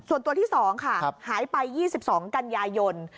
ส่วนตัวที่๒ค่ะหายไป๒๒กันยายน